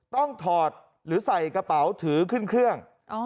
ถอดหรือใส่กระเป๋าถือขึ้นเครื่อง